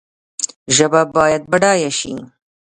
ژبه باید بډایه شي